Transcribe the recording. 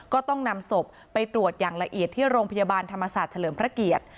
ก็ต้องนำศพไปตรวจอย่างละเอียดที่โรงพยาบาลธรรมศาสตร์เฉลิมพระเกียรติ